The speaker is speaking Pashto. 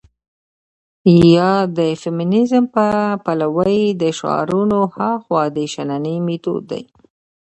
يا د فيمنيزم په پلوۍ له شعارونو هاخوا د شننې مېتود دى.